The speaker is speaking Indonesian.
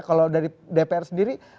kalau dari dpr sendiri